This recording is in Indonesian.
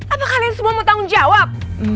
apa kalian semua mau tanggung jawab